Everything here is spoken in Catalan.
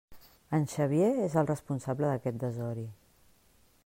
En Xavier és el responsable d'aquest desori!